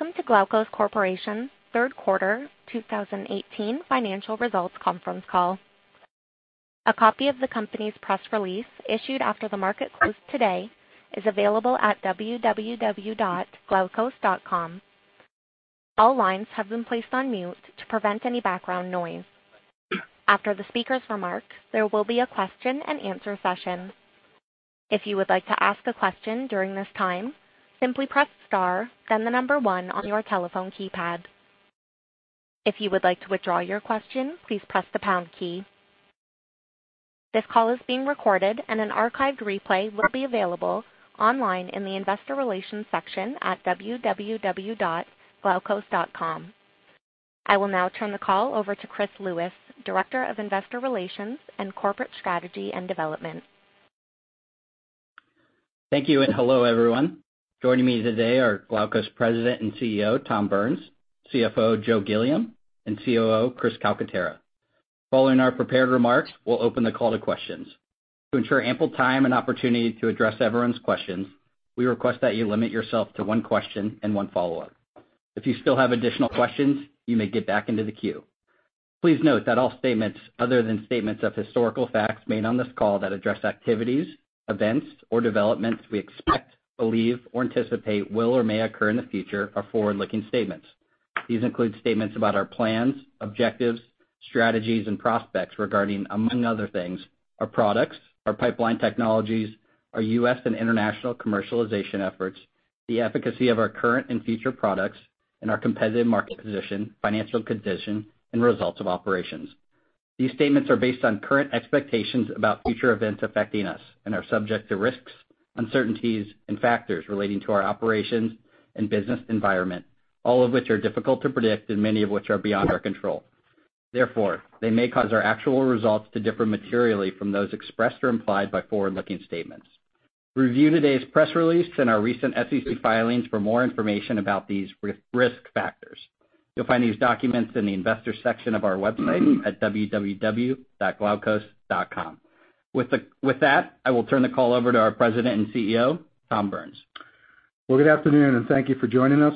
Welcome to Glaukos Corporation third quarter 2018 financial results conference call. A copy of the company's press release, issued after the market closed today, is available at www.glaukos.com. All lines have been placed on mute to prevent any background noise. After the speakers remark, there will be a question and answer session. If you would like to ask a question during this time, simply press star, then the number one on your telephone keypad. If you would like to withdraw your question, please press the pound key. This call is being recorded and an archived replay will be available online in the investor relations section at www.glaukos.com. I will now turn the call over to Chris Lewis, Director of Investor Relations and Corporate Strategy and Development. Thank you. Hello, everyone. Joining me today are Glaukos President and CEO, Tom Burns, CFO, Joe Gilliam, and COO, Chris Calcaterra. Following our prepared remarks, we will open the call to questions. To ensure ample time and opportunity to address everyone's questions, we request that you limit yourself to one question and one follow-up. If you still have additional questions, you may get back into the queue. Please note that all statements other than statements of historical facts made on this call that address activities, events, or developments we expect, believe, or anticipate will or may occur in the future are forward-looking statements. These include statements about our plans, objectives, strategies, and prospects regarding, among other things, our products, our pipeline technologies, our U.S. and international commercialization efforts, the efficacy of our current and future products, and our competitive market position, financial condition, and results of operations. These statements are based on current expectations about future events affecting us and are subject to risks, uncertainties, and factors relating to our operations and business environment, all of which are difficult to predict and many of which are beyond our control. Therefore, they may cause our actual results to differ materially from those expressed or implied by forward-looking statements. Review today's press release and our recent SEC filings for more information about these risk factors. You will find these documents in the investor section of our website at www.glaukos.com. With that, I will turn the call over to our President and CEO, Tom Burns. Well, good afternoon. Thank you for joining us.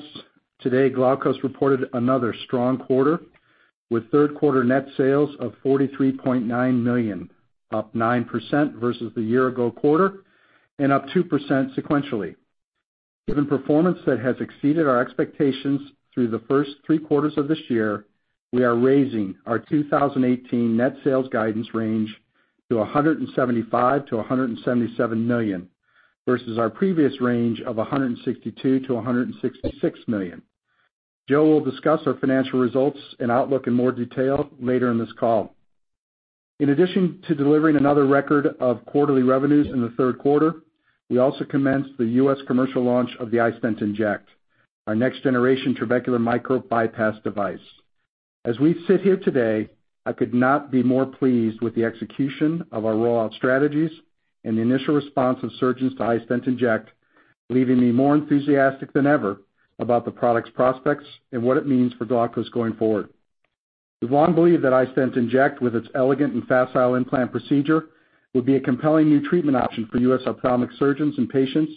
Today, Glaukos reported another strong quarter with third quarter net sales of $43.9 million, up 9% versus the year ago quarter and up 2% sequentially. Given performance that has exceeded our expectations through the first three quarters of this year, we are raising our 2018 net sales guidance range to $175 million-$177 million versus our previous range of $162 million-$166 million. Joe will discuss our financial results and outlook in more detail later in this call. In addition to delivering another record of quarterly revenues in the third quarter, we also commenced the U.S. commercial launch of the iStent inject, our next generation trabecular micro-bypass device. As we sit here today, I could not be more pleased with the execution of our rollout strategies and the initial response of surgeons to iStent inject, leaving me more enthusiastic than ever about the product's prospects and what it means for Glaukos going forward. We've long believed that iStent inject, with its elegant and facile implant procedure, would be a compelling new treatment option for U.S. ophthalmic surgeons and patients,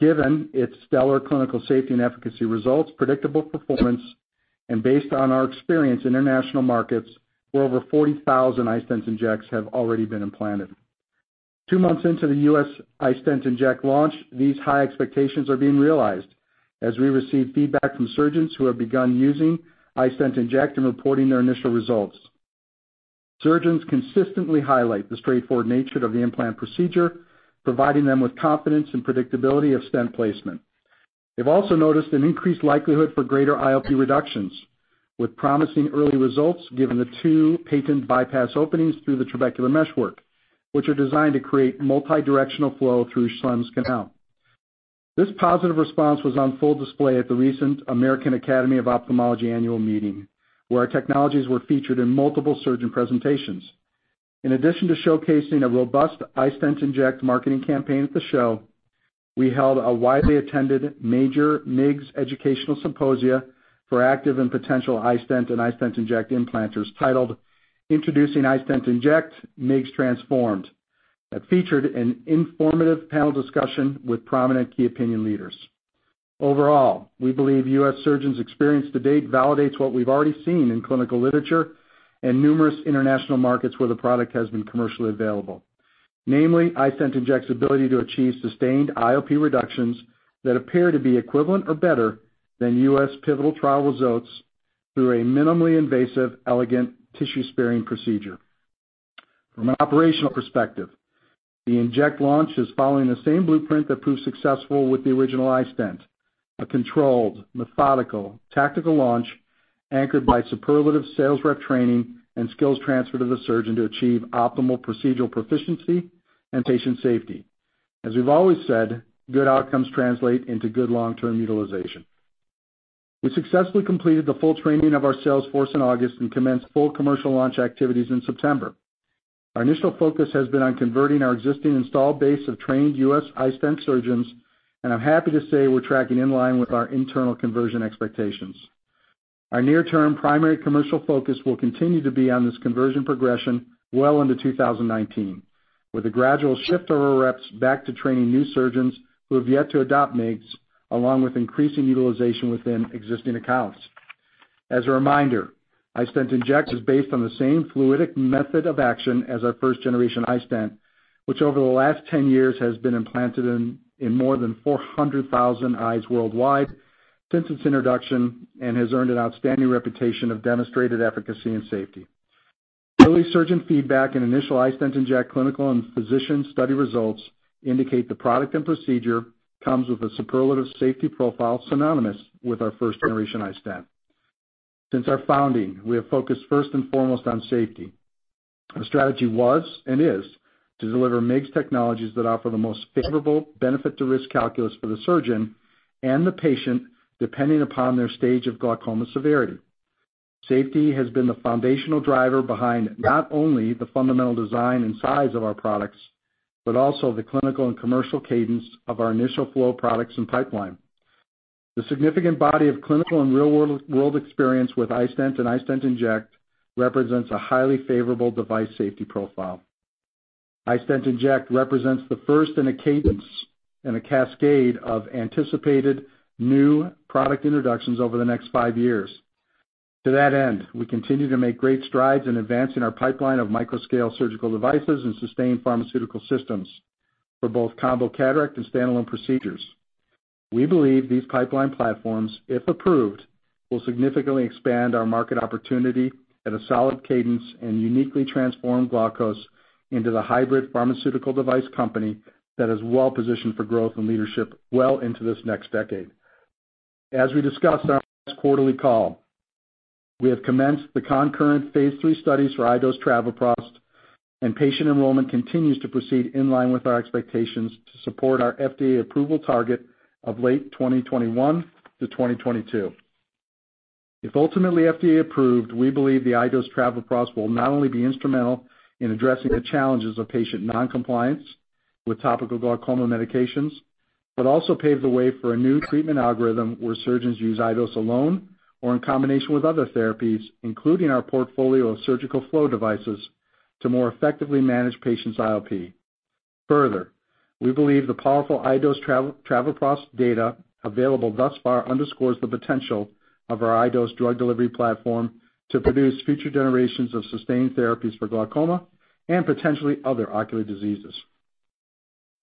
given its stellar clinical safety and efficacy results, predictable performance, and based on our experience in international markets where over 40,000 iStent injects have already been implanted. Two months into the U.S. iStent inject launch, these high expectations are being realized as we receive feedback from surgeons who have begun using iStent inject and reporting their initial results. Surgeons consistently highlight the straightforward nature of the implant procedure, providing them with confidence and predictability of stent placement. They've also noticed an increased likelihood for greater IOP reductions, with promising early results given the two patent bypass openings through the trabecular meshwork, which are designed to create multi-directional flow through Schlemm's canal. This positive response was on full display at the recent American Academy of Ophthalmology annual meeting, where our technologies were featured in multiple surgeon presentations. In addition to showcasing a robust iStent inject marketing campaign at the show, we held a widely attended major MIGS educational symposia for active and potential iStent and iStent inject implanters titled Introducing iStent inject: MIGS Transformed, that featured an informative panel discussion with prominent key opinion leaders. Overall, we believe U.S. surgeons' experience to date validates what we've already seen in clinical literature and numerous international markets where the product has been commercially available. Namely, iStent inject's ability to achieve sustained IOP reductions that appear to be equivalent or better than U.S. pivotal trial results through a minimally invasive, elegant, tissue-sparing procedure. From an operational perspective, the inject launch is following the same blueprint that proved successful with the original iStent, a controlled, methodical, tactical launch anchored by superlative sales rep training and skills transfer to the surgeon to achieve optimal procedural proficiency and patient safety. As we've always said, good outcomes translate into good long-term utilization. We successfully completed the full training of our sales force in August and commenced full commercial launch activities in September. Our initial focus has been on converting our existing installed base of trained U.S. iStent surgeons, and I'm happy to say we're tracking in line with our internal conversion expectations. Our near-term primary commercial focus will continue to be on this conversion progression well into 2019, with a gradual shift of our reps back to training new surgeons who have yet to adopt MIGS, along with increasing utilization within existing accounts. As a reminder, iStent inject is based on the same fluidic method of action as our first-generation iStent, which over the last 10 years has been implanted in more than 400,000 eyes worldwide since its introduction and has earned an outstanding reputation of demonstrated efficacy and safety. Early surgeon feedback and initial iStent inject clinical and physician study results indicate the product and procedure comes with a superlative safety profile synonymous with our first-generation iStent. Since our founding, we have focused first and foremost on safety. The strategy was and is to deliver MIGS technologies that offer the most favorable benefit to risk calculus for the surgeon and the patient, depending upon their stage of glaucoma severity. Safety has been the foundational driver behind not only the fundamental design and size of our products, but also the clinical and commercial cadence of our initial flow products and pipeline. The significant body of clinical and real-world experience with iStent and iStent inject represents a highly favorable device safety profile. iStent inject represents the first in a cadence and a cascade of anticipated new product introductions over the next five years. To that end, we continue to make great strides in advancing our pipeline of microscale surgical devices and sustained pharmaceutical systems for both combo cataract and standalone procedures. We believe these pipeline platforms, if approved, will significantly expand our market opportunity at a solid cadence and uniquely transform Glaukos into the hybrid pharmaceutical device company that is well positioned for growth and leadership well into this next decade. As we discussed on our last quarterly call, we have commenced the concurrent phase III studies for iDose TR, and patient enrollment continues to proceed in line with our expectations to support our FDA approval target of late 2021-2022. If ultimately FDA approved, we believe the iDose TR will not only be instrumental in addressing the challenges of patient non-compliance with topical glaucoma medications, but also pave the way for a new treatment algorithm where surgeons use iDose alone or in combination with other therapies, including our portfolio of surgical flow devices, to more effectively manage patients' IOP. Further, we believe the powerful iDose TR data available thus far underscores the potential of our iDose drug delivery platform to produce future generations of sustained therapies for glaucoma and potentially other ocular diseases.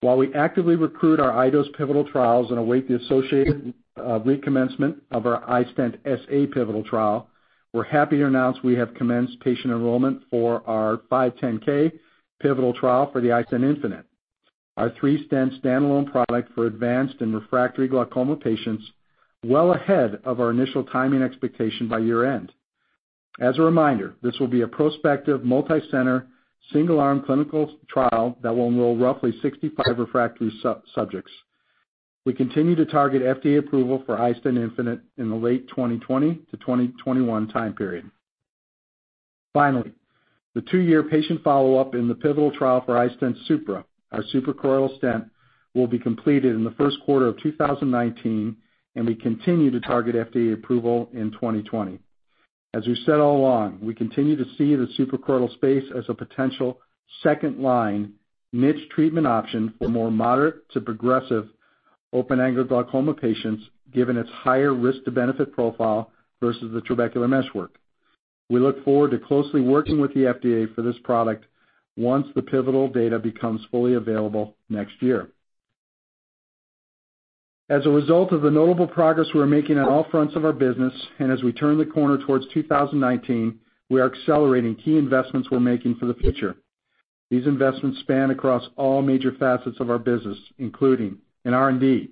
While we actively recruit our iDose pivotal trials and await the associated recommencement of our iStent SA pivotal trial, we're happy to announce we have commenced patient enrollment for our 510(k) pivotal trial for the iStent infinite, our three-stent standalone product for advanced and refractory glaucoma patients, well ahead of our initial timing expectation by year-end. As a reminder, this will be a prospective multi-center single-arm clinical trial that will enroll roughly 65 refractory subjects. We continue to target FDA approval for iStent infinite in the late 2020-2021 time period. Finally, the two-year patient follow-up in the pivotal trial for iStent Supra, our suprachoroidal stent, will be completed in the first quarter of 2019, and we continue to target FDA approval in 2020. As we've said all along, we continue to see the suprachoroidal space as a potential second-line niche treatment option for more moderate to progressive open-angle glaucoma patients, given its higher risk to benefit profile versus the trabecular meshwork. We look forward to closely working with the FDA for this product once the pivotal data becomes fully available next year. As a result of the notable progress we're making on all fronts of our business, as we turn the corner towards 2019, we are accelerating key investments we're making for the future. These investments span across all major facets of our business, including in R&D.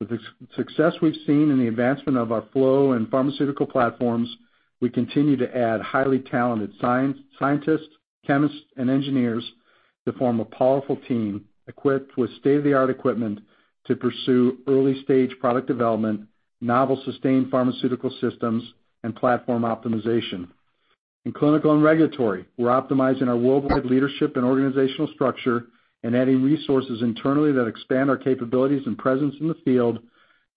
With the success we've seen in the advancement of our flow and pharmaceutical platforms, we continue to add highly talented scientists, chemists, and engineers to form a powerful team equipped with state-of-the-art equipment to pursue early-stage product development, novel sustained pharmaceutical systems, and platform optimization. In clinical and regulatory, we're optimizing our worldwide leadership and organizational structure and adding resources internally that expand our capabilities and presence in the field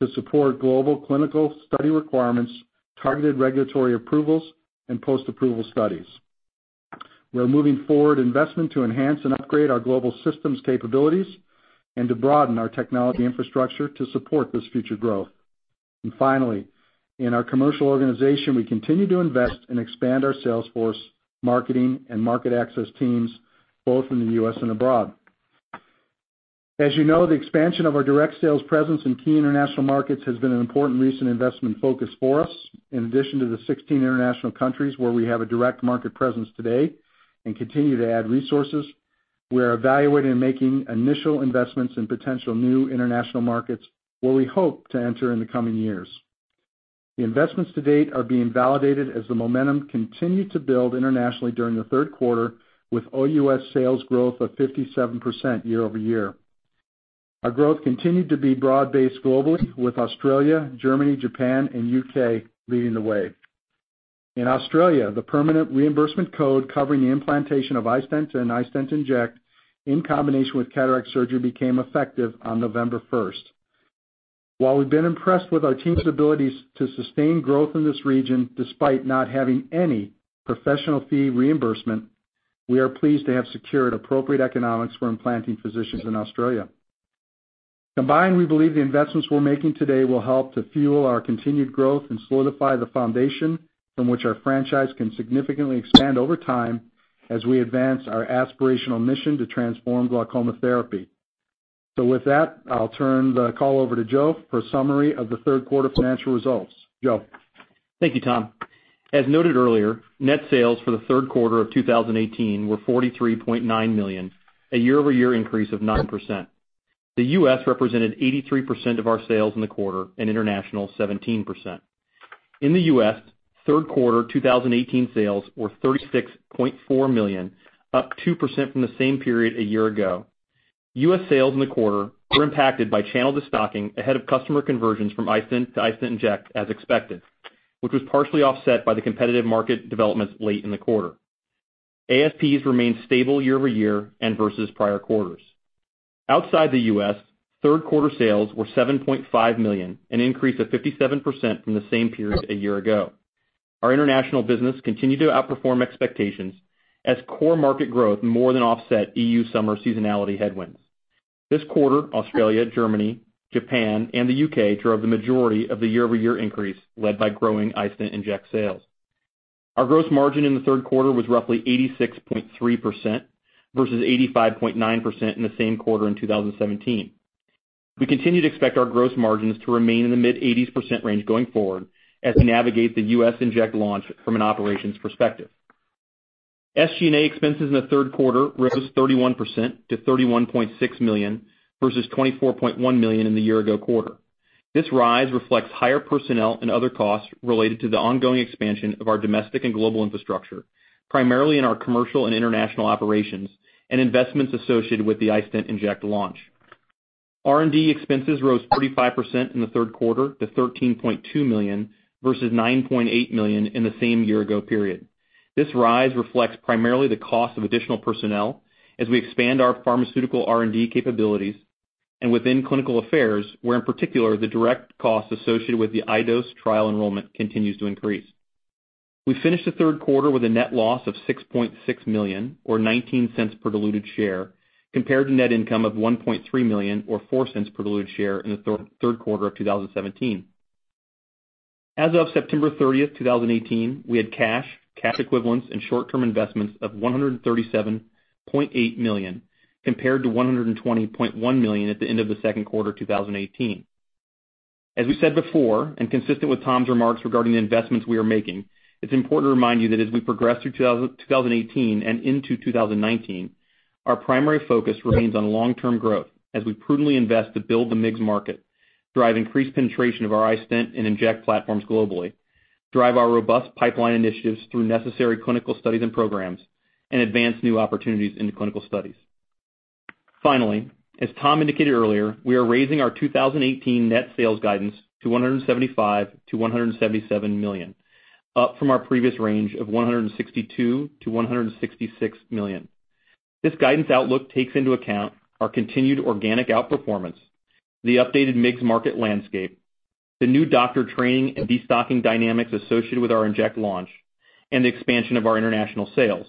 to support global clinical study requirements, targeted regulatory approvals, and post-approval studies. We're moving forward investment to enhance and upgrade our global systems capabilities and to broaden our technology infrastructure to support this future growth. Finally, in our commercial organization, we continue to invest and expand our sales force, marketing, and market access teams, both in the U.S. and abroad. As you know, the expansion of our direct sales presence in key international markets has been an important recent investment focus for us. In addition to the 16 international countries where we have a direct market presence today and continue to add resources, we are evaluating and making initial investments in potential new international markets where we hope to enter in the coming years. The investments to date are being validated as the momentum continued to build internationally during the third quarter, with all O.U.S. sales growth of 57% year-over-year. Our growth continued to be broad-based globally, with Australia, Germany, Japan, and U.K. leading the way. In Australia, the permanent reimbursement code covering the implantation of iStent and iStent inject in combination with cataract surgery became effective on November 1st. While we've been impressed with our team's abilities to sustain growth in this region, despite not having any professional fee reimbursement, we are pleased to have secured appropriate economics for implanting physicians in Australia. Combined, we believe the investments we're making today will help to fuel our continued growth and solidify the foundation from which our franchise can significantly expand over time as we advance our aspirational mission to transform glaucoma therapy. With that, I'll turn the call over to Joe for a summary of the third quarter financial results. Joe. Thank you, Tom. As noted earlier, net sales for the third quarter of 2018 were $43.9 million, a year-over-year increase of 9%. The U.S. represented 83% of our sales in the quarter and international 17%. In the U.S., third quarter 2018 sales were $36.4 million, up 2% from the same period a year ago. U.S. sales in the quarter were impacted by channel de-stocking ahead of customer conversions from iStent to iStent inject, as expected, which was partially offset by the competitive market developments late in the quarter. ASPs remained stable year-over-year and versus prior quarters. Outside the U.S., third quarter sales were $7.5 million, an increase of 57% from the same period a year ago. Our international business continued to outperform expectations as core market growth more than offset EU summer seasonality headwinds. This quarter, Australia, Germany, Japan, and the U.K. drove the majority of the year-over-year increase led by growing iStent inject sales. Our gross margin in the third quarter was roughly 86.3% versus 85.9% in the same quarter in 2017. We continue to expect our gross margins to remain in the mid-80s% range going forward as we navigate the U.S. inject launch from an operations perspective. SG&A expenses in the third quarter rose 31% to $31.6 million, versus $24.1 million in the year ago quarter. This rise reflects higher personnel and other costs related to the ongoing expansion of our domestic and global infrastructure, primarily in our commercial and international operations and investments associated with the iStent inject launch. R&D expenses rose 45% in the third quarter to $13.2 million, versus $9.8 million in the same year ago period. This rise reflects primarily the cost of additional personnel as we expand our pharmaceutical R&D capabilities and within clinical affairs, where, in particular, the direct costs associated with the iDose trial enrollment continues to increase. We finished the third quarter with a net loss of $6.6 million or $0.19 per diluted share, compared to net income of $1.3 million or $0.04 per diluted share in the third quarter of 2017. As of September 30th, 2018, we had cash equivalents, and short-term investments of $137.8 million, compared to $120.1 million at the end of the second quarter 2018. As we said before, consistent with Tom's remarks regarding the investments we are making, it's important to remind you that as we progress through 2018 and into 2019, our primary focus remains on long-term growth as we prudently invest to build the MIGS market, drive increased penetration of our iStent and inject platforms globally, drive our robust pipeline initiatives through necessary clinical studies and programs, advance new opportunities into clinical studies. Finally, as Tom indicated earlier, we are raising our 2018 net sales guidance to $175 million-$177 million, up from our previous range of $162 million-$166 million. This guidance outlook takes into account our continued organic outperformance, the updated MIGS market landscape, the new doctor training and destocking dynamics associated with our inject launch, and the expansion of our international sales,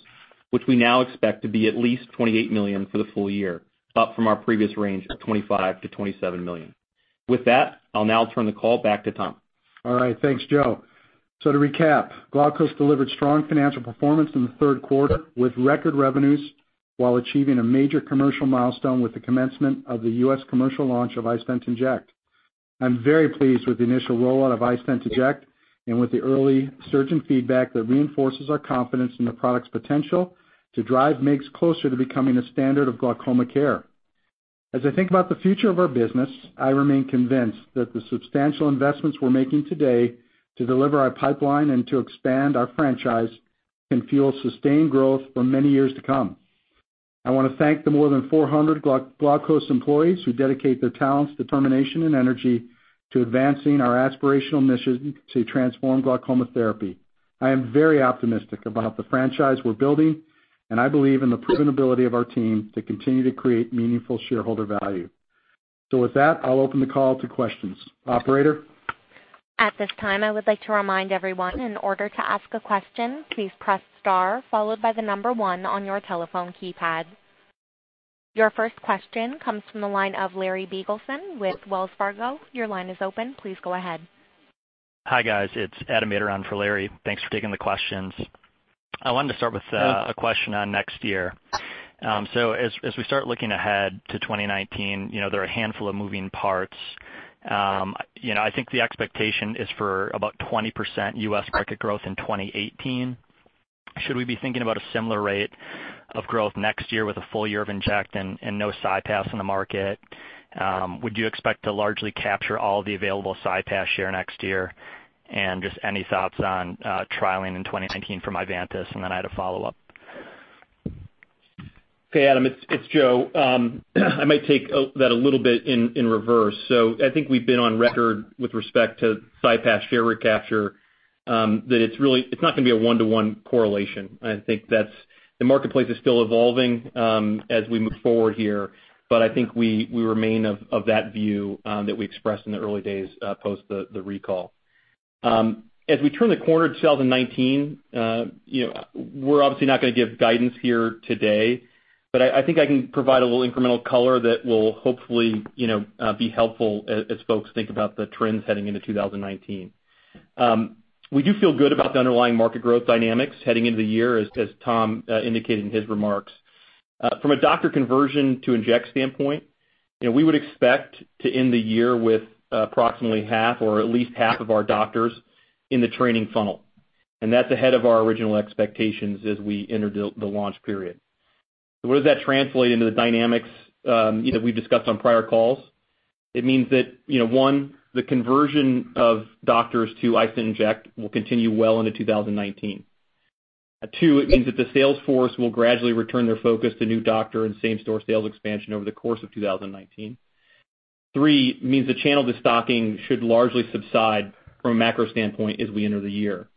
which we now expect to be at least $28 million for the full year, up from our previous range of $25 million-$27 million. With that, I'll now turn the call back to Tom. All right. Thanks, Joe. To recap, Glaukos delivered strong financial performance in the third quarter with record revenues while achieving a major commercial milestone with the commencement of the U.S. commercial launch of iStent inject. I'm very pleased with the initial rollout of iStent inject and with the early surgeon feedback that reinforces our confidence in the product's potential to drive MIGS closer to becoming a standard of glaucoma care. As I think about the future of our business, I remain convinced that the substantial investments we're making today to deliver our pipeline and to expand our franchise can fuel sustained growth for many years to come. I want to thank the more than 400 Glaukos employees who dedicate their talents, determination, and energy to advancing our aspirational mission to transform glaucoma therapy. I am very optimistic about the franchise we're building, and I believe in the proven ability of our team to continue to create meaningful shareholder value. With that, I'll open the call to questions. Operator. At this time, I would like to remind everyone, in order to ask a question, please press star followed by the number 1 on your telephone keypad. Your first question comes from the line of Larry Biegelsen with Wells Fargo. Your line is open. Please go ahead. Hi, guys. It's Adam Maeder for Larry. Thanks for taking the questions. I wanted to start with a question on next year. As we start looking ahead to 2019, there are a handful of moving parts. I think the expectation is for about 20% U.S. market growth in 2018. Should we be thinking about a similar rate of growth next year with a full year of Inject and no CyPass in the market? Would you expect to largely capture all the available CyPass share next year? Then just any thoughts on trialing in 2019 for Ivantis? Then I had a follow-up. Hey Adam, it's Joe. I might take that a little bit in reverse. I think we've been on record with respect to CyPass share recapture, that it's not going to be a one-to-one correlation. I think the marketplace is still evolving as we move forward here, but I think we remain of that view that we expressed in the early days post the recall. As we turn the corner to 2019, we're obviously not going to give guidance here today, but I think I can provide a little incremental color that will hopefully be helpful as folks think about the trends heading into 2019. We do feel good about the underlying market growth dynamics heading into the year, as Tom indicated in his remarks. From a doctor conversion to inject standpoint, we would expect to end the year with approximately half or at least half of our doctors in the training funnel. That's ahead of our original expectations as we enter the launch period. What does that translate into the dynamics that we've discussed on prior calls? It means that, one, the conversion of doctors to iStent inject will continue well into 2019. Two, it means that the sales force will gradually return their focus to new doctor and same-store sales expansion over the course of 2019. Three, it means the channel destocking should largely subside from a macro standpoint as we enter the year.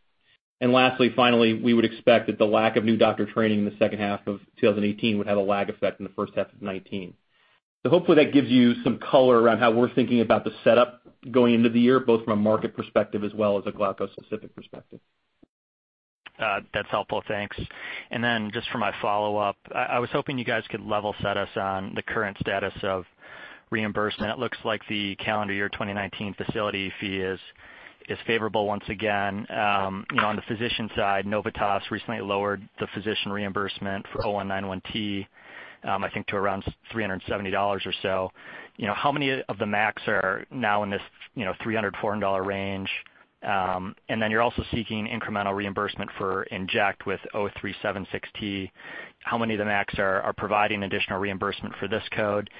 Lastly, finally, we would expect that the lack of new doctor training in the second half of 2018 would have a lag effect in the first half of 2019. Hopefully that gives you some color around how we're thinking about the setup going into the year, both from a market perspective as well as a Glaukos specific perspective. That's helpful. Thanks. Just for my follow-up, I was hoping you guys could level set us on the current status of reimbursement. It looks like the calendar year 2019 facility fee is favorable once again. On the physician side, Novitas recently lowered the physician reimbursement for 0191T, I think to around $370 or so. How many of the MACs are now in this $300, $400 range? Then you're also seeking incremental reimbursement for inject with 0376T. How many of the MACs are providing additional reimbursement for this code?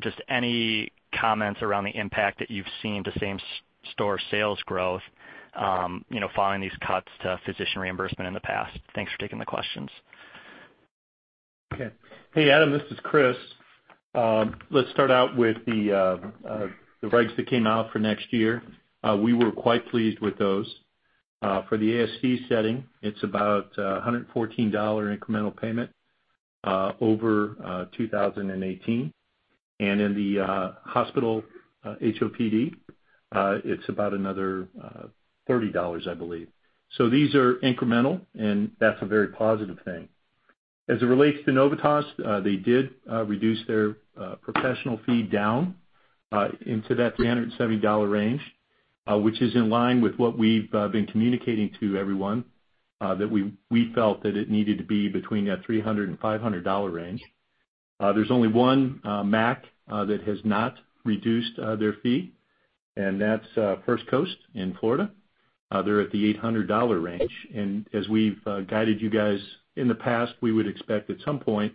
Just any comments around the impact that you've seen to same store sales growth following these cuts to physician reimbursement in the past. Thanks for taking the questions. Okay. Hey Adam, this is Chris. Let's start out with the regs that came out for next year. We were quite pleased with those. For the ASC setting, it's about $114 incremental payment over 2018. In the hospital HOPD, it's about another $30, I believe. These are incremental, and that's a very positive thing. As it relates to Novitas, they did reduce their professional fee down into that $370 range, which is in line with what we've been communicating to everyone, that we felt that it needed to be between that $300 and $500 range. There's only one MAC that has not reduced their fee, and that's First Coast in Florida. They're at the $800 range. As we've guided you guys in the past, we would expect at some point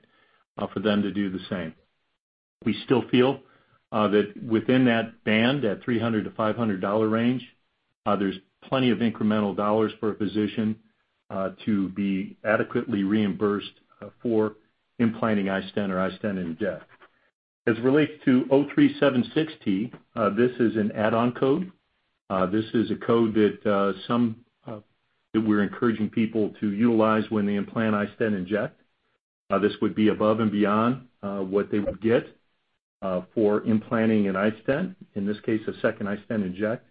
for them to do the same. We still feel that within that band, that $300-$500 range, there's plenty of incremental dollars for a physician to be adequately reimbursed for implanting iStent or iStent inject. As it relates to 0376T, this is an add-on code. This is a code that we're encouraging people to utilize when they implant iStent inject. This would be above and beyond what they would get for implanting an iStent, in this case, a second iStent inject.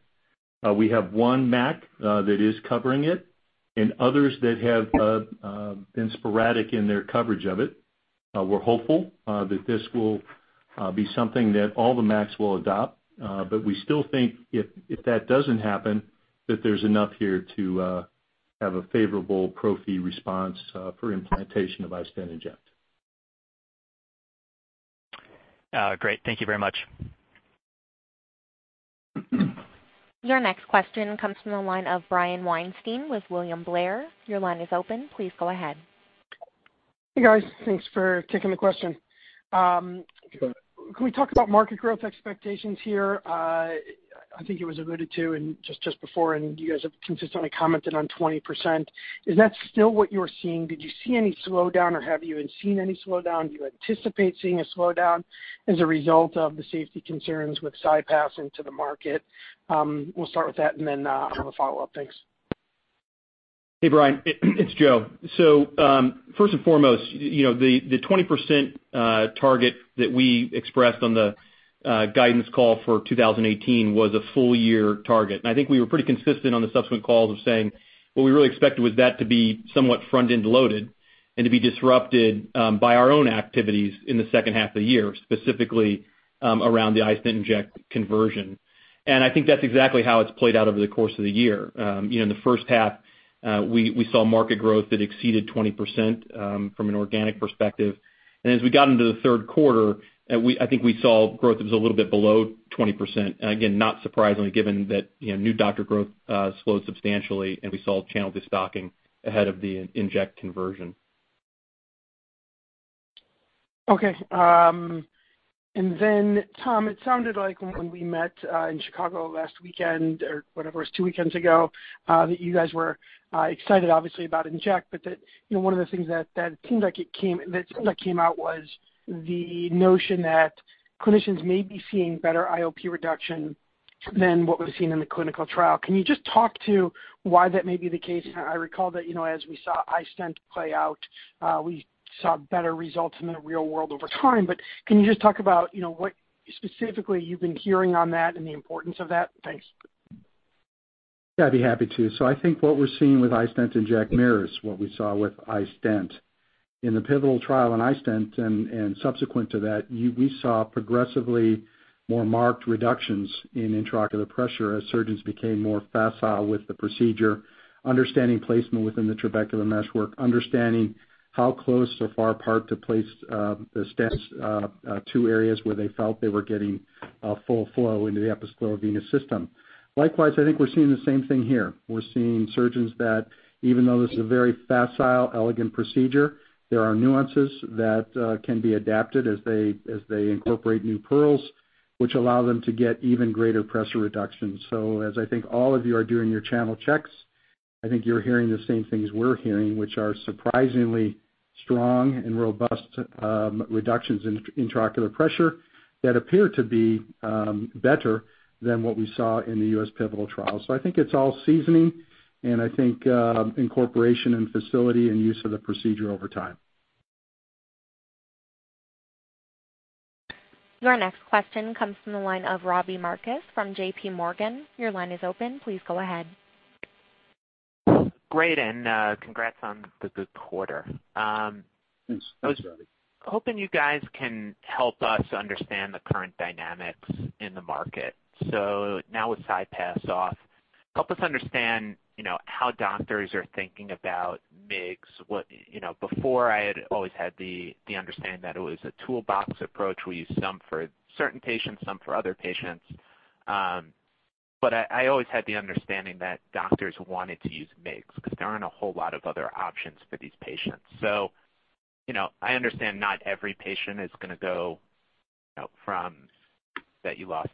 We have one MAC that is covering it and others that have been sporadic in their coverage of it. We're hopeful that this will be something that all the MACs will adopt. We still think if that doesn't happen, that there's enough here to have a favorable pro fee response for implementation of iStent inject. Great. Thank you very much. Your next question comes from the line of Brian Weinstein with William Blair. Your line is open. Please go ahead. Hey, guys. Thanks for taking the question. Go ahead. Can we talk about market growth expectations here? I think it was alluded to just before, you guys have consistently commented on 20%. Is that still what you're seeing? Did you see any slowdown, or have you even seen any slowdown? Do you anticipate seeing a slowdown as a result of the safety concerns with CyPass into the market? We'll start with that. Then I have a follow-up. Thanks. Hey, Brian. It's Joe. First and foremost, the 20% target that we expressed on the guidance call for 2018 was a full year target. I think we were pretty consistent on the subsequent calls of saying what we really expected was that to be somewhat front-end loaded and to be disrupted by our own activities in the second half of the year, specifically around the iStent inject conversion. I think that's exactly how it's played out over the course of the year. In the first half, we saw market growth that exceeded 20% from an organic perspective. As we got into the third quarter, I think we saw growth that was a little bit below 20%. Again, not surprisingly given that new doctor growth slowed substantially and we saw channel destocking ahead of the inject conversion. Okay. Then Tom, it sounded like when we met in Chicago last weekend, or whatever it was, two weekends ago, that you guys were excited obviously about inject, that one of the things that seemed like it came out was the notion that clinicians may be seeing better IOP reduction than what was seen in the clinical trial. Can you just talk to why that may be the case? I recall that as we saw iStent play out, we saw better results in the real world over time. Can you just talk about what specifically you've been hearing on that and the importance of that? Thanks. I'd be happy to. I think what we're seeing with iStent inject mirrors what we saw with iStent. In the pivotal trial in iStent and subsequent to that, we saw progressively more marked reductions in intraocular pressure as surgeons became more facile with the procedure, understanding placement within the trabecular meshwork, understanding how close or far apart to place the stents, two areas where they felt they were getting a full flow into the episcleral venous system. Likewise, I think we're seeing the same thing here. We're seeing surgeons that even though this is a very facile, elegant procedure, there are nuances that can be adapted as they incorporate new pearls, which allow them to get even greater pressure reductions. As I think all of you are doing your channel checks, I think you're hearing the same things we're hearing, which are surprisingly strong and robust reductions in intraocular pressure that appear to be better than what we saw in the U.S. pivotal trial. I think it's all seasoning and I think incorporation and facility and use of the procedure over time. Your next question comes from the line of Robbie Marcus from JPMorgan. Your line is open. Please go ahead. Great, and congrats on the good quarter. Thanks, Robbie. I was hoping you guys can help us understand the current dynamics in the market. Now with CyPass off, help us understand how doctors are thinking about MIGS. Before I had always had the understanding that it was a toolbox approach. We use some for certain patients, some for other patients. I always had the understanding that doctors wanted to use MIGS because there aren't a whole lot of other options for these patients. I understand not every patient is going to go from that you lost in CyPass or that they lost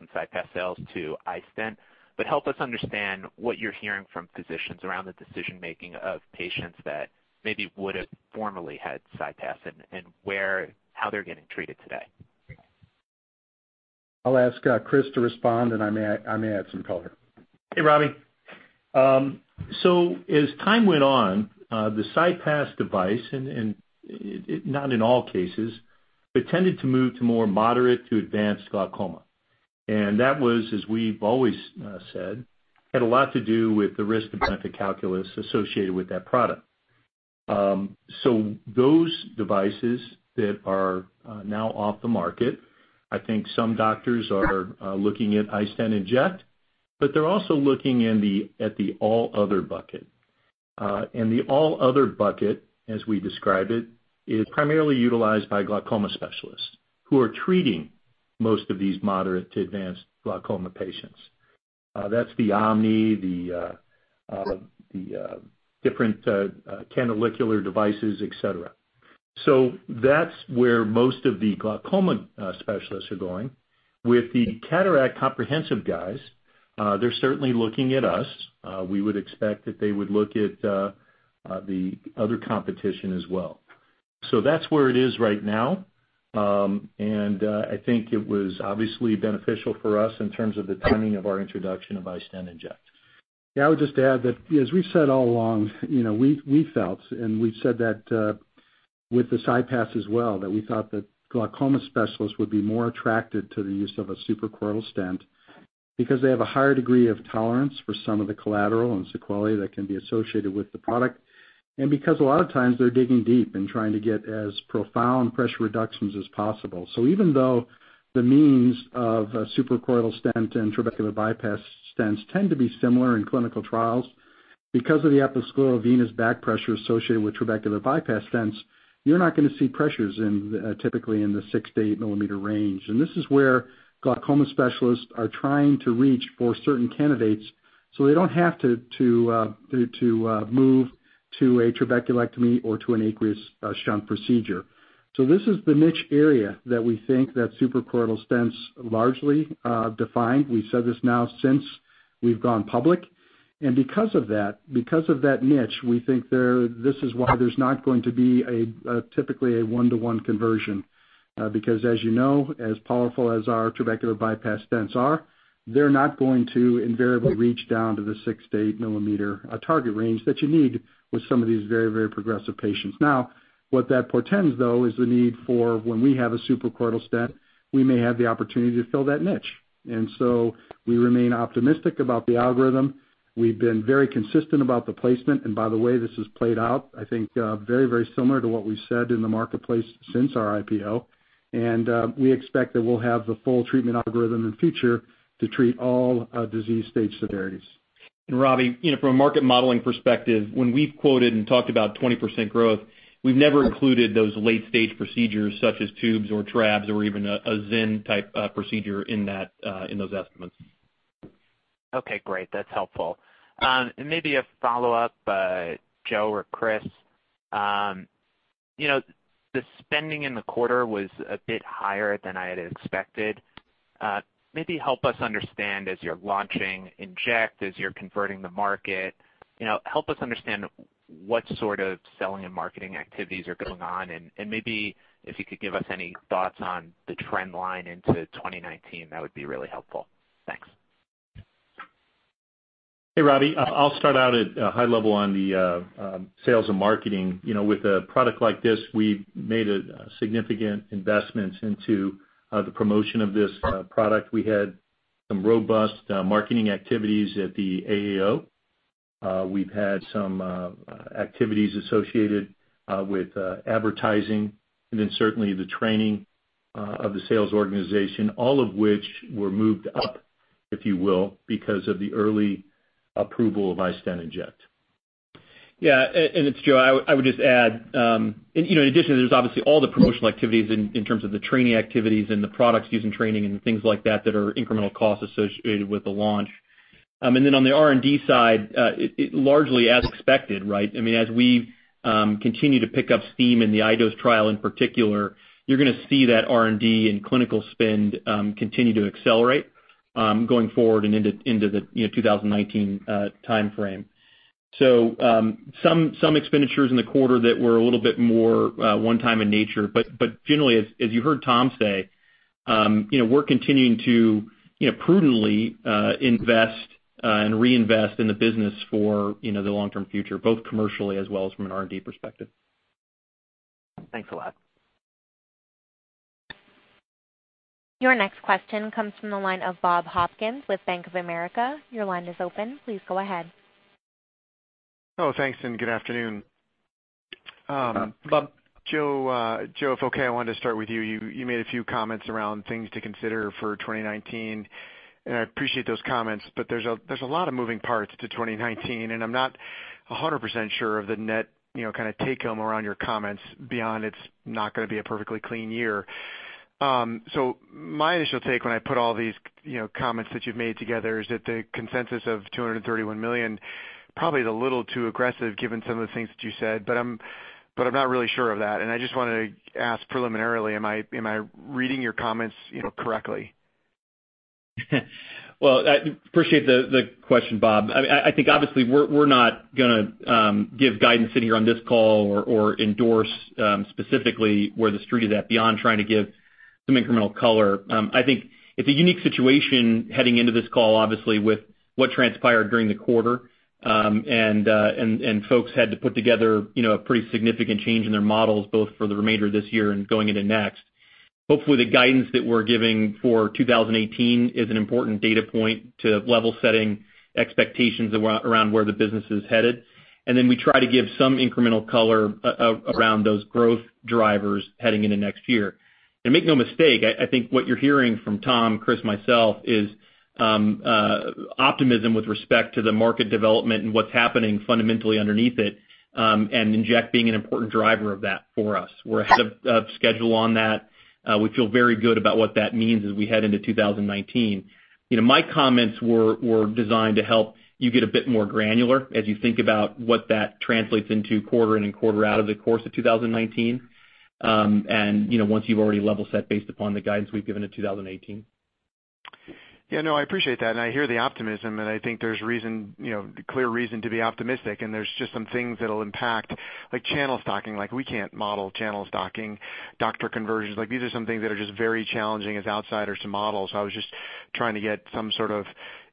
in CyPass sales to iStent. Help us understand what you're hearing from physicians around the decision making of patients that maybe would've formerly had CyPass and how they're getting treated today. I'll ask Chris to respond, and I may add some color. Hey, Robbie. As time went on, the CyPass device, and not in all cases, but tended to move to more moderate to advanced glaucoma. That was, as we've always said, had a lot to do with the risk-benefit calculus associated with that product. Those devices that are now off the market, I think some doctors are looking at iStent inject, but they're also looking at the all other bucket. The all other bucket, as we describe it, is primarily utilized by glaucoma specialists who are treating most of these moderate to advanced glaucoma patients. That's the OMNI, the different canalicular devices, et cetera. That's where most of the glaucoma specialists are going. With the cataract comprehensive guys, they're certainly looking at us. We would expect that they would look at the other competition as well. That's where it is right now. I think it was obviously beneficial for us in terms of the timing of our introduction of iStent inject. Yeah, I would just add that as we've said all along, we felt, and we've said that with the CyPass as well, that we thought that glaucoma specialists would be more attracted to the use of a suprachoroidal stent because they have a higher degree of tolerance for some of the collateral and sequelae that can be associated with the product. Because a lot of times they're digging deep and trying to get as profound pressure reductions as possible. Even though the means of a suprachoroidal stent and trabecular bypass stents tend to be similar in clinical trials, because of the episcleral venous back pressure associated with trabecular bypass stents, you're not going to see pressures typically in the six to eight millimeter range. This is where glaucoma specialists are trying to reach for certain candidates, so they don't have to move to a trabeculectomy or to an aqueous shunt procedure. This is the niche area that we think that suprachoroidal stents largely define. We've said this now since we've gone public. Because of that niche, we think this is why there's not going to be typically a one-to-one conversion. Because as you know, as powerful as our trabecular bypass stents are, they're not going to invariably reach down to the six to eight millimeter target range that you need with some of these very progressive patients. Now, what that portends, though, is the need for when we have a suprachoroidal stent, we may have the opportunity to fill that niche. We remain optimistic about the algorithm. We've been very consistent about the placement. By the way, this has played out, I think very similar to what we've said in the marketplace since our IPO. We expect that we'll have the full treatment algorithm in future to treat all disease stage severities. Ravi, from a market modeling perspective, when we've quoted and talked about 20% growth, we've never included those late-stage procedures such as tubes or trabs or even a XEN type procedure in those estimates. Okay, great. That's helpful. Maybe a follow-up, Joe or Chris. The spending in the quarter was a bit higher than I had expected. Maybe help us understand as you're launching inject, as you're converting the market, help us understand what sort of selling and marketing activities are going on, and maybe if you could give us any thoughts on the trend line into 2019, that would be really helpful. Thanks. Hey, Ravi. I'll start out at a high level on the sales and marketing. With a product like this, we made significant investments into the promotion of this product. We had some robust marketing activities at the AAO. We've had some activities associated with advertising, then certainly the training of the sales organization, all of which were moved up, if you will, because of the early approval of iStent inject. It's Joe. I would just add, in addition, there's obviously all the promotional activities in terms of the training activities and the products used in training and things like that are incremental costs associated with the launch. On the R&D side, largely as expected, right? As we continue to pick up steam in the iDose trial in particular, you're going to see that R&D and clinical spend continue to accelerate going forward and into the 2019 timeframe. Some expenditures in the quarter that were a little bit more one-time in nature, but generally, as you heard Tom say, we're continuing to prudently invest and reinvest in the business for the long-term future, both commercially as well as from an R&D perspective. Thanks a lot. Your next question comes from the line of Bob Hopkins with Bank of America. Your line is open. Please go ahead. Thanks, and good afternoon. Bob. Joe, if okay, I wanted to start with you. You made a few comments around things to consider for 2019, and I appreciate those comments, but there's a lot of moving parts to 2019, and I'm not 100% sure of the net take-home around your comments beyond it's not going to be a perfectly clean year. My initial take when I put all these comments that you've made together is that the consensus of $231 million probably is a little too aggressive given some of the things that you said. I'm not really sure of that, and I just wanted to ask preliminarily, am I reading your comments correctly? Well, I appreciate the question, Bob. I think obviously we're not going to give guidance sitting here on this call or endorse specifically where the street is at beyond trying to give some incremental color. I think it's a unique situation heading into this call, obviously, with what transpired during the quarter. Folks had to put together a pretty significant change in their models both for the remainder of this year and going into next. Hopefully, the guidance that we're giving for 2018 is an important data point to level setting expectations around where the business is headed. Then we try to give some incremental color around those growth drivers heading into next year. Make no mistake, I think what you're hearing from Tom, Chris, myself is optimism with respect to the market development and what's happening fundamentally underneath it, iStent inject being an important driver of that for us. We're ahead of schedule on that. We feel very good about what that means as we head into 2019. My comments were designed to help you get a bit more granular as you think about what that translates into quarter in and quarter out of the course of 2019. Once you've already level set based upon the guidance we've given in 2018. Yeah, no, I appreciate that. I hear the optimism. I think there's a clear reason to be optimistic. There's just some things that'll impact, like channel stocking. We can't model channel stocking, doctor conversions. These are some things that are just very challenging as outsiders to model. I was just trying to get some sort of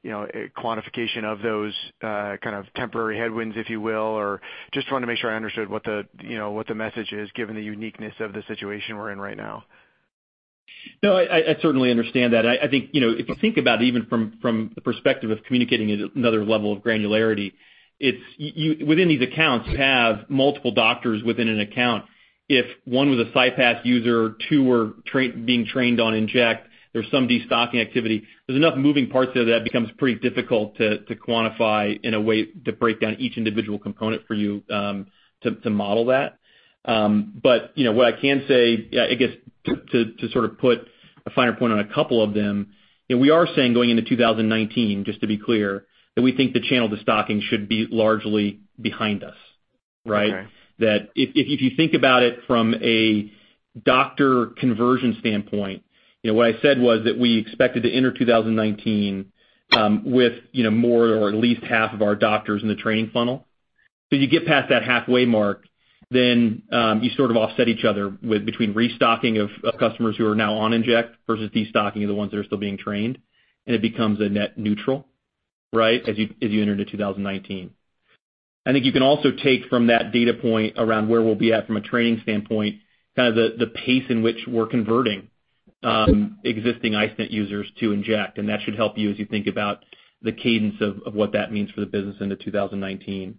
quantification of those kind of temporary headwinds, if you will, or just trying to make sure I understood what the message is given the uniqueness of the situation we're in right now. No, I certainly understand that. I think, if you think about it even from the perspective of communicating at another level of granularity, within these accounts, you have multiple doctors within an account. If one was a CyPass user, two were being trained on iStent inject, there's some destocking activity. There's enough moving parts there that it becomes pretty difficult to quantify in a way to break down each individual component for you to model that. What I can say, I guess, to sort of put a finer point on a couple of them, we are saying going into 2019, just to be clear, that we think the channel destocking should be largely behind us, right? Okay. If you think about it from a doctor conversion standpoint, what I said was that we expected to enter 2019 with more or at least half of our doctors in the training funnel. You get past that halfway mark, then you sort of offset each other between restocking of customers who are now on iStent inject versus destocking of the ones that are still being trained, and it becomes a net neutral as you enter into 2019. I think you can also take from that data point around where we'll be at from a training standpoint, kind of the pace in which we're converting existing iStent users to iStent inject, and that should help you as you think about the cadence of what that means for the business into 2019.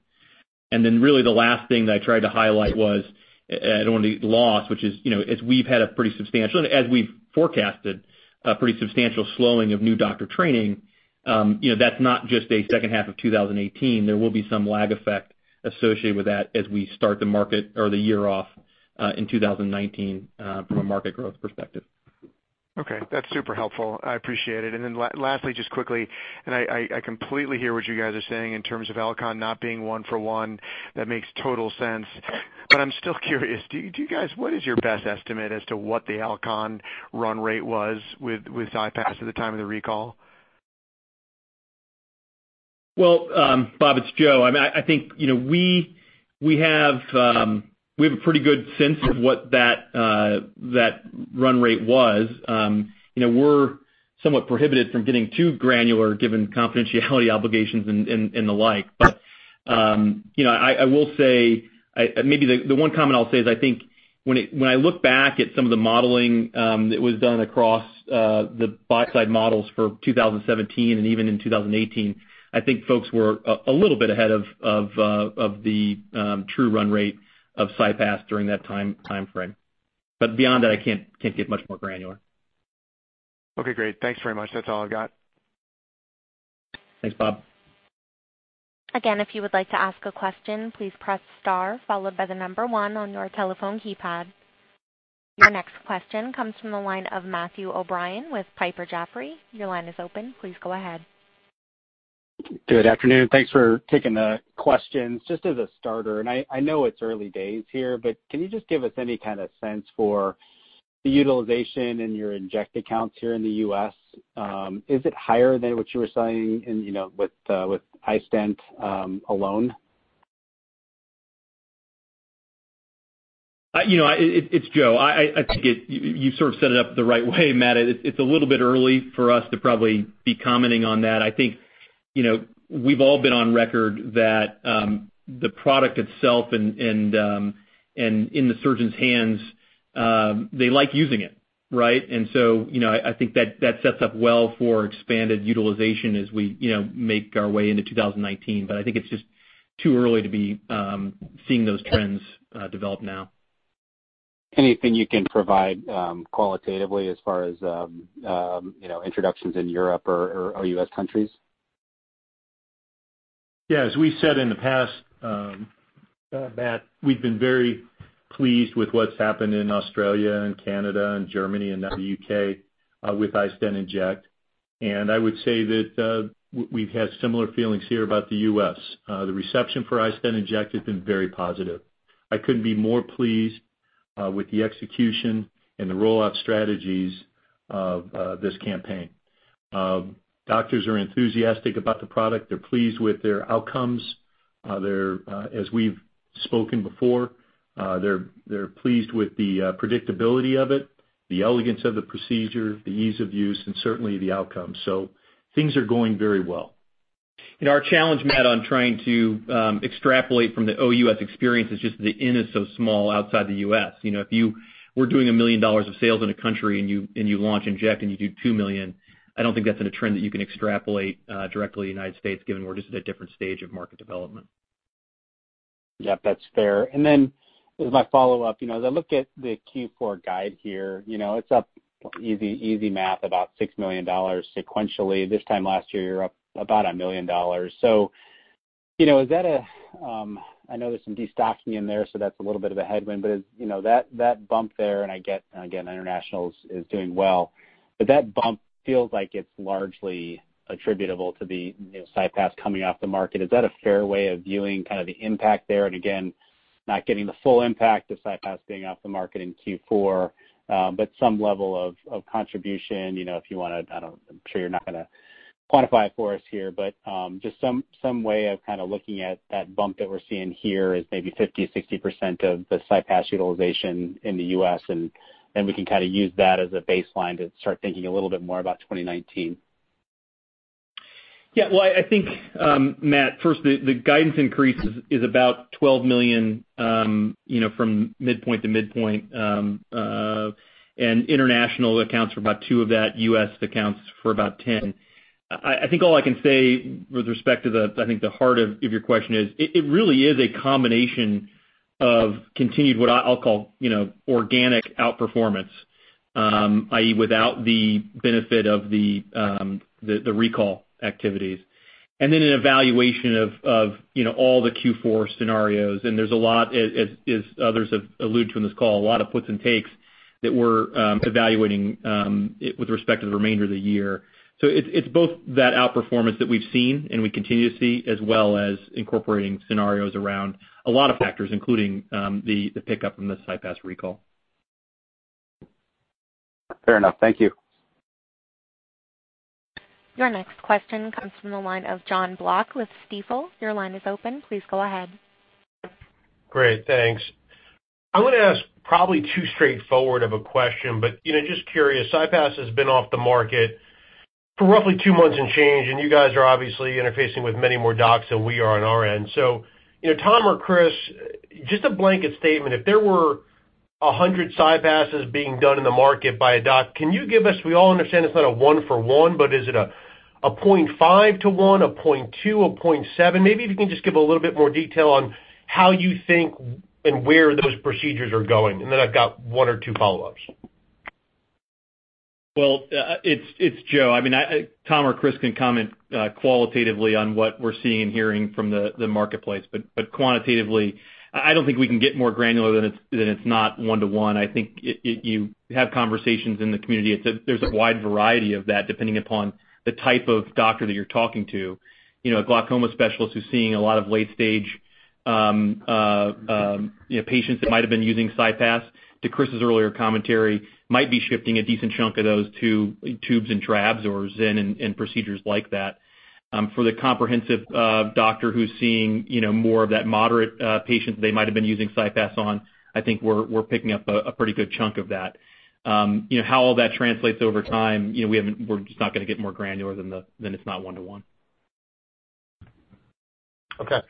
Really the last thing that I tried to highlight was I don't want to it loss, which is as we've had a pretty substantial, and as we've forecasted a pretty substantial slowing of new doctor training, that's not just a second half of 2018. There will be some lag effect associated with that as we start the market or the year off in 2019 from a market growth perspective. Okay. That's super helpful. I appreciate it. Lastly, just quickly, and I completely hear what you guys are saying in terms of Alcon not being one for one. That makes total sense. I'm still curious, what is your best estimate as to what the Alcon run rate was with CyPass at the time of the recall? Well, Bob, it's Joe. I think we have a pretty good sense of what that run rate was. We're somewhat prohibited from getting too granular given confidentiality obligations and the like. Maybe the one comment I'll say is I think when I look back at some of the modeling that was done across the buy-side models for 2017 and even in 2018, I think folks were a little bit ahead of the true run rate of CyPass during that time frame. Beyond that, I can't get much more granular. Okay, great. Thanks very much. That's all I've got. Thanks, Bob. Again, if you would like to ask a question, please press star followed by the number 1 on your telephone keypad. Your next question comes from the line of Matthew O'Brien with Piper Jaffray. Your line is open. Please go ahead. Good afternoon. Thanks for taking the questions. Just as a starter, and I know it's early days here, but can you just give us any kind of sense for the utilization in your inject accounts here in the U.S.? Is it higher than what you were saying with iStent alone? It's Joe. I think you sort of set it up the right way, Matt. It's a little bit early for us to probably be commenting on that. I think we've all been on record that the product itself and in the surgeon's hands, they like using it, right? I think that sets up well for expanded utilization as we make our way into 2019. I think it's just too early to be seeing those trends develop now. Anything you can provide qualitatively as far as introductions in Europe or U.S. countries? Yeah, as we said in the past, Matt, we've been very pleased with what's happened in Australia and Canada and Germany and now the U.K. with iStent inject. I would say that we've had similar feelings here about the U.S. The reception for iStent inject has been very positive. I couldn't be more pleased with the execution and the rollout strategies of this campaign. Doctors are enthusiastic about the product. They're pleased with their outcomes. As we've spoken before, they're pleased with the predictability of it, the elegance of the procedure, the ease of use, and certainly the outcome. Things are going very well. Our challenge, Matt, on trying to extrapolate from the OUS experience is just the N is so small outside the U.S. If you were doing $1 million of sales in a country and you launch inject and you do $2 million, I don't think that's in a trend that you can extrapolate directly to the United States given we're just at a different stage of market development. Yep, that's fair. As my follow-up, as I look at the Q4 guide here, it's up easy math, about $6 million sequentially. This time last year, you're up about $1 million. I know there's some destocking in there, so that's a little bit of a headwind, but that bump there, and I get, again, international is doing well, but that bump feels like it's largely attributable to the CyPass coming off the market. Is that a fair way of viewing kind of the impact there? Again, not getting the full impact of CyPass being off the market in Q4, but some level of contribution, I'm sure you're not going to quantify it for us here, but just some way of kind of looking at that bump that we're seeing here as maybe 50%-60% of the CyPass utilization in the U.S., and we can kind of use that as a baseline to start thinking a little bit more about 2019. Yeah. Well, I think, Matt, first, the guidance increase is about $12 million from midpoint to midpoint, and international accounts for about $2 of that, U.S. accounts for about $10 million. I think all I can say with respect to the, I think the heart of your question is, it really is a combination of continued, what I'll call organic outperformance, i.e., without the benefit of the recall activities. An evaluation of all the Q4 scenarios, and there's a lot, as others have alluded to in this call, a lot of puts and takes that we're evaluating with respect to the remainder of the year. It's both that outperformance that we've seen and we continue to see, as well as incorporating scenarios around a lot of factors, including the pickup from the CyPass recall. Fair enough. Thank you. Your next question comes from the line of Jonathan Block with Stifel. Your line is open. Please go ahead. Great. Thanks. I'm going to ask probably too straightforward of a question, but just curious. CyPass has been off the market for roughly two months and change, and you guys are obviously interfacing with many more docs than we are on our end. Tom or Chris, just a blanket statement. If there were 100 CyPasses being done in the market by a doc, can you give us, we all understand it's not a one for one, but is it a 0.5 to one, a 0.2, a 0.7? Maybe if you can just give a little bit more detail on how you think and where those procedures are going. Then I've got one or two follow-ups. Well, it's Joe. Tom or Chris can comment qualitatively on what we're seeing and hearing from the marketplace, but quantitatively, I don't think we can get more granular than it's not one-to-one. I think you have conversations in the community. There's a wide variety of that depending upon the type of doctor that you're talking to. A glaucoma specialist who's seeing a lot of late-stage patients that might have been using CyPass, to Chris' earlier commentary, might be shifting a decent chunk of those to tubes and trabs or XEN and procedures like that. For the comprehensive doctor who's seeing more of that moderate patient they might have been using CyPass on, I think we're picking up a pretty good chunk of that. How all that translates over time, we're just not going to get more granular than it's not one-to-one. Okay.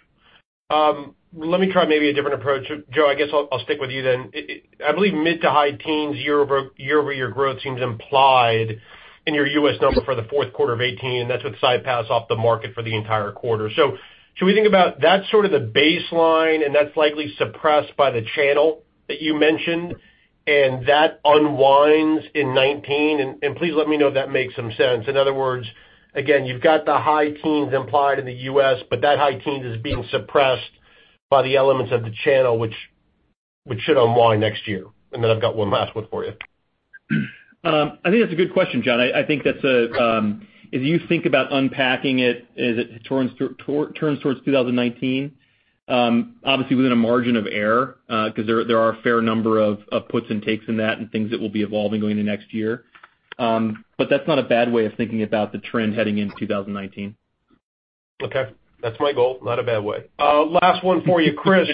Let me try maybe a different approach. Joe, I guess I'll stick with you then. I believe mid to high teens year-over-year growth seems implied in your U.S. number for the fourth quarter of 2018. That's with CyPass off the market for the entire quarter. Should we think about that's sort of the baseline and that's likely suppressed by the channel that you mentioned and that unwinds in 2019? Please let me know if that makes some sense. In other words, again, you've got the high teens implied in the U.S., but that high teens is being suppressed by the elements of the channel, which should unwind next year. Then I've got one last one for you. I think that's a good question, John. If you think about unpacking it as it turns towards 2019, obviously within a margin of error, because there are a fair number of puts and takes in that and things that will be evolving going into next year. That's not a bad way of thinking about the trend heading into 2019. Okay. That's my goal. Not a bad way. Last one for you, Chris.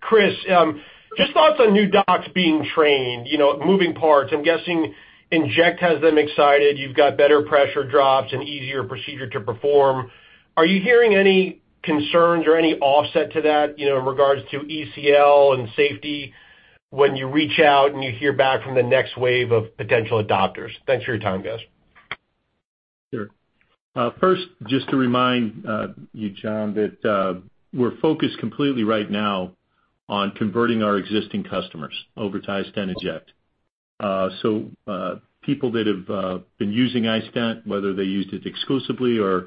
Chris, just thoughts on new docs being trained, moving parts. I'm guessing iStent inject has them excited. You've got better pressure drops and easier procedure to perform. Are you hearing any concerns or any offset to that in regards to ECL and safety when you reach out and you hear back from the next wave of potential adopters? Thanks for your time, guys. Sure. First, just to remind you, John, that we're focused completely right now on converting our existing customers over to iStent inject. People that have been using iStent, whether they used it exclusively or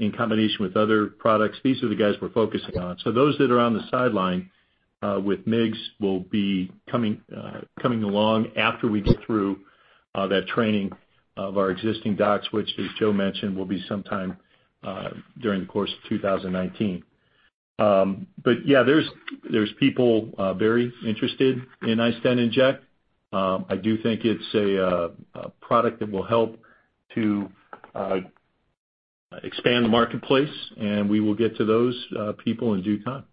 in combination with other products, these are the guys we're focusing on. Those that are on the sideline with MIGS will be coming along after we get through that training of our existing docs, which, as Joe mentioned, will be sometime during the course of 2019. Yeah, there's people very interested in iStent inject. I do think it's a product that will help to expand the marketplace, and we will get to those people in due time.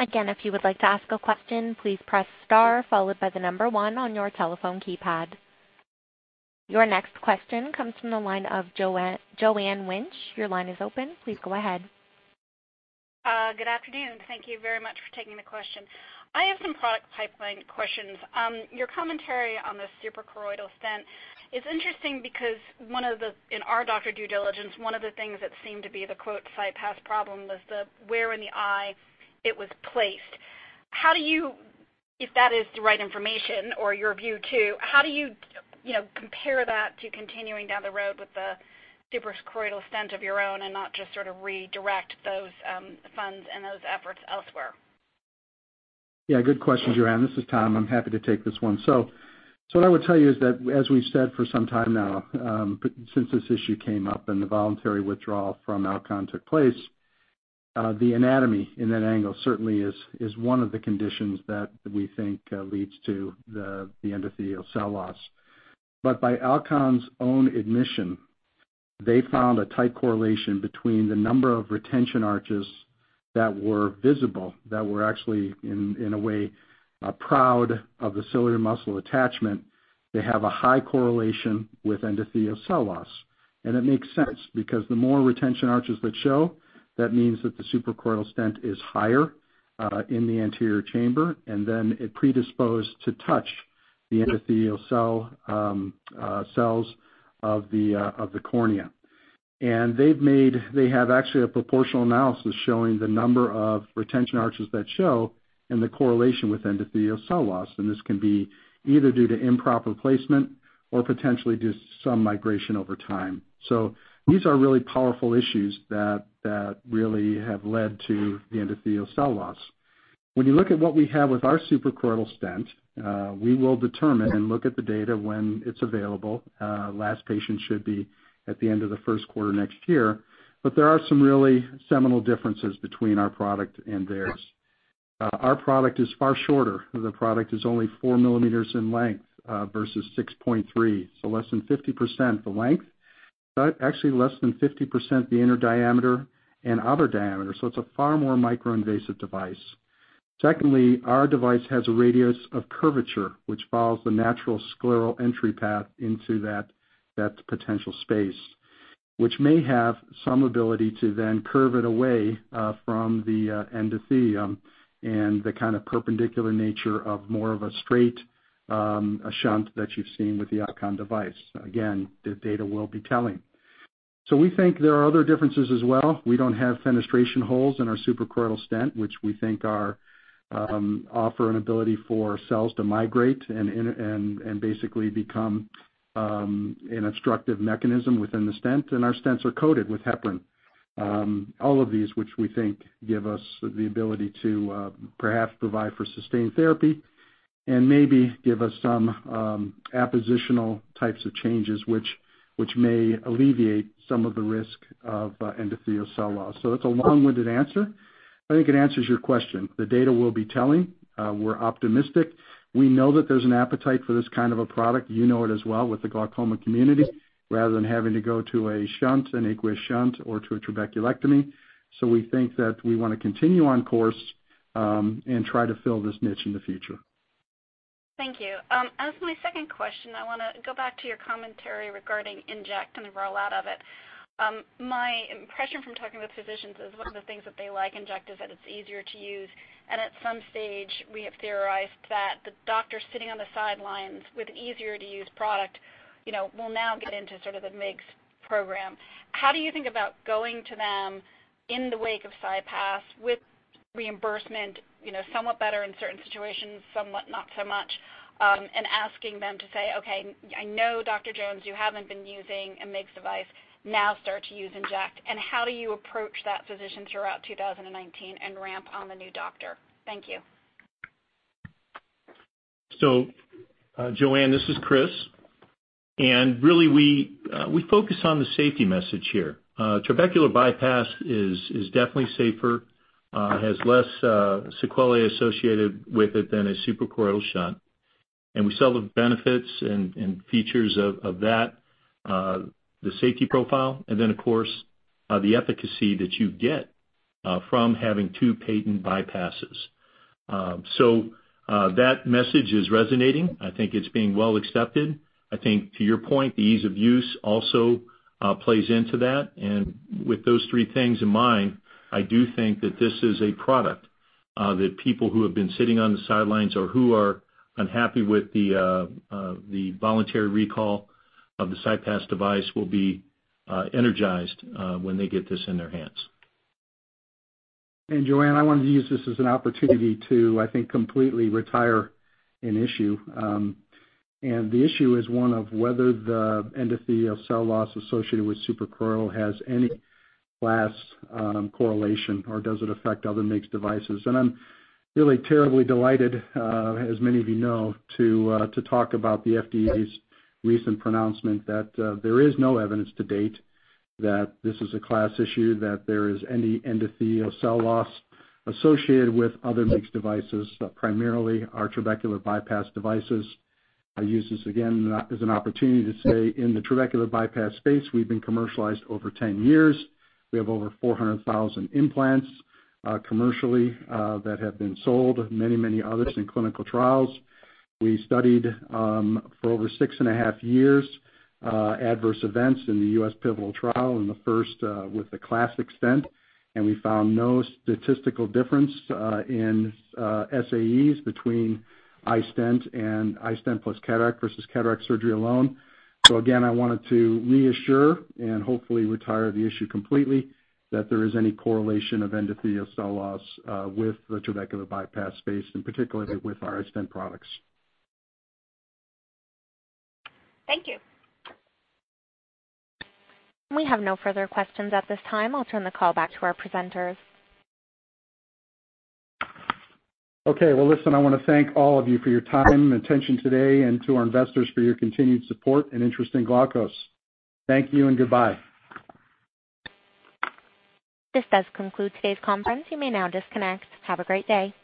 Again, if you would like to ask a question, please press star, followed by the number one on your telephone keypad. Your next question comes from the line of Joanne Wuensch. Your line is open. Please go ahead. Good afternoon. Thank you very much for taking the question. I have some product pipeline questions. Your commentary on the suprachoroidal stent is interesting because in our doctor due diligence, one of the things that seemed to be the "CyPass problem" was the where in the eye it was placed. If that is the right information or your view too, how do you compare that to continuing down the road with the suprachoroidal stent of your own and not just sort of redirect those funds and those efforts elsewhere? Yeah, good question, Joanne. This is Tom. I'm happy to take this one. What I would tell you is that, as we've said for some time now, since this issue came up and the voluntary withdrawal from Alcon took place, the anatomy in that angle certainly is one of the conditions that we think leads to the endothelial cell loss. By Alcon's own admission, they found a tight correlation between the number of retention arches that were visible, that were actually, in a way, proud of the ciliary muscle attachment. They have a high correlation with endothelial cell loss. It makes sense because the more retention arches that show, that means that the suprachoroidal stent is higher in the anterior chamber, and then it predisposed to touch the endothelial cells of the cornea. They have actually a proportional analysis showing the number of retention arches that show and the correlation with endothelial cell loss, and this can be either due to improper placement or potentially due to some migration over time. These are really powerful issues that really have led to the endothelial cell loss. When you look at what we have with our suprachoroidal stent, we will determine and look at the data when it's available. Last patient should be at the end of the first quarter next year. There are some really seminal differences between our product and theirs. Our product is far shorter. The product is only four millimeters in length versus 6.3, so less than 50% the length, but actually less than 50% the inner diameter and outer diameter. It's a far more microinvasive device. Secondly, our device has a radius of curvature, which follows the natural scleral entry path into that potential space, which may have some ability to then curve it away from the endothelium and the kind of perpendicular nature of more of a straight shunt that you've seen with the Alcon device. Again, the data will be telling. We think there are other differences as well. We don't have fenestration holes in our suprachoroidal stent, which we think offer an ability for cells to migrate and basically become an obstructive mechanism within the stent. Our stents are coated with heparin. All of these, which we think give us the ability to perhaps provide for sustained therapy and maybe give us some appositional types of changes which may alleviate some of the risk of endothelial cell loss. It's a long-winded answer. I think it answers your question. The data will be telling. We're optimistic. We know that there's an appetite for this kind of a product, you know it as well, with the glaucoma community, rather than having to go to an aqueous shunt or to a trabeculectomy. We think that we want to continue on course and try to fill this niche in the future. Thank you. As my second question, I want to go back to your commentary regarding Inject and the rollout of it. My impression from talking with physicians is one of the things that they like Inject is that it's easier to use, and at some stage, we have theorized that the doctor sitting on the sidelines with easier to use product will now get into sort of the MIGS program. How do you think about going to them in the wake of CyPass with reimbursement somewhat better in certain situations, somewhat not so much, and asking them to say, "Okay, I know, Dr. Jones, you haven't been using a MIGS device. Now start to use Inject." How do you approach that physician throughout 2019 and ramp on the new doctor? Thank you. Joanne, this is Chris. Really we focus on the safety message here. Trabecular bypass is definitely safer, has less sequelae associated with it than a suprachoroidal shunt, we sell the benefits and features of that, the safety profile, and then of course the efficacy that you get from having two patent bypasses. That message is resonating. I think it's being well accepted. I think to your point, the ease of use also plays into that. With those three things in mind, I do think that this is a product that people who have been sitting on the sidelines or who are unhappy with the voluntary recall of the CyPass device will be energized when they get this in their hands. Joanne, I wanted to use this as an opportunity to, I think, completely retire an issue. The issue is one of whether the endothelial cell loss associated with suprachoroidal has any class correlation or does it affect other MIGS devices. I'm really terribly delighted, as many of you know, to talk about the FDA's recent pronouncement that there is no evidence to date that this is a class issue, that there is any endothelial cell loss associated with other MIGS devices, primarily our trabecular bypass devices. I use this again as an opportunity to say in the trabecular bypass space, we've been commercialized over 10 years. We have over 400,000 implants commercially that have been sold, many others in clinical trials. We studied for over six and a half years adverse events in the U.S. pivotal trial in the first with the classic stent, and we found no statistical difference in SAEs between iStent and iStent plus cataract versus cataract surgery alone. Again, I wanted to reassure and hopefully retire the issue completely that there is any correlation of endothelial cell loss with the trabecular bypass space and particularly with our iStent products. Thank you. We have no further questions at this time. I'll turn the call back to our presenters. Okay. Well, listen, I want to thank all of you for your time and attention today and to our investors for your continued support and interest in Glaukos. Thank you and goodbye. This does conclude today's conference. You may now disconnect. Have a great day.